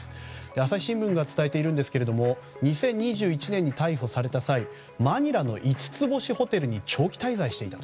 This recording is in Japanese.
朝日新聞が伝えているんですけれども２０２１年に逮捕された際マニラの五つ星ホテルに長期滞在していたと。